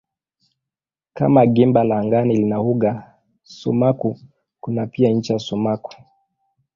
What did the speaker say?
Kama gimba la angani lina uga sumaku kuna pia ncha sumaku.